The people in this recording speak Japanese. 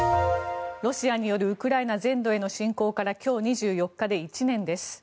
ロシアによるウクライナ全土への侵攻から今日２４日で１年です。